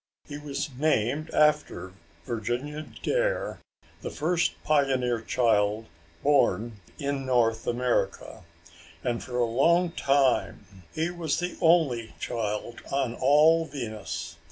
He was named after Virginia Dare, the first pioneer child born in North America, and for a long time he was the only child on all Venus.